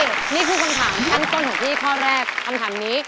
นี่คือคำถามขั้นต้นของพี่ข้อแรกคำถามนี้